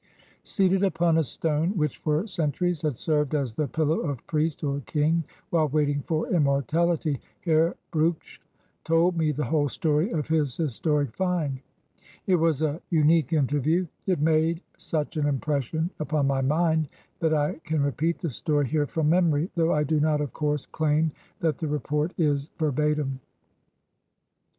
Seated upon a stone which for centuries had served as the pillow of priest or king while waiting for immor tahty, Herr Brugsch told me the whole story of his historic "find." It was a luiique interview. It made such an impres sion upon my mind that I can repeat the story here from memory, though I do not, of course, claim that the report is verbatim.